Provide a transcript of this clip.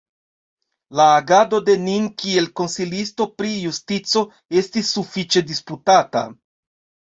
La agado de Nin kiel Konsilisto pri Justico estis sufiĉe disputata.